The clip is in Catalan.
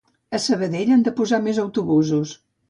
A Sabadell han de posar més autobusos.